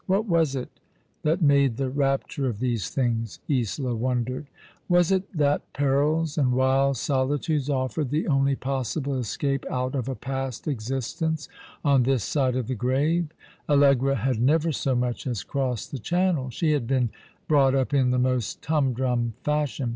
What was it that made the rapture of these things? Isola wondered. Was it that perils and wild solitudes offered the only possible escape out of a past existence, on this side the grave? Allegra had never so much as crossed the Channel. She had been brought up in the most humdrum fashion.